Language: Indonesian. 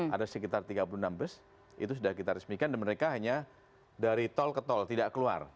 ada sekitar tiga puluh enam bus itu sudah kita resmikan dan mereka hanya dari tol ke tol tidak keluar